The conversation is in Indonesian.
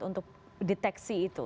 untuk deteksi itu